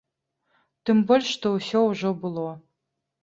Тым больш, што ўсё ўжо было.